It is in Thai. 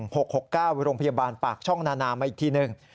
โรงพยาบาลปากช่องนานามาอีกทีหนึ่ง